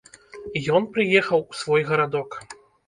Ён прыехаў у свой гарадок.